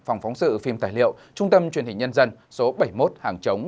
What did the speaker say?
phòng phóng sự phim tài liệu trung tâm truyền hình nhân dân số bảy mươi một hàng chống